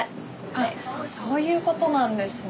あそういうことなんですね。